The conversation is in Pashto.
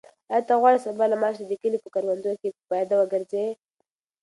آیا ته غواړې سبا له ما سره د کلي په کروندو کې پیاده وګرځې؟